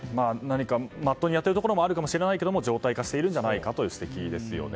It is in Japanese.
まっとうにやっているところもあるかもしれないけど常態化してるんじゃないかという指摘ですよね。